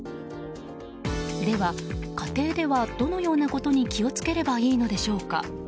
では、家庭ではどのようなことに気を付ければいいのでしょうか。